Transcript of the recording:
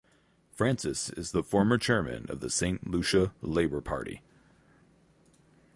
Francis is the former chairman of the Saint Lucia Labour Party.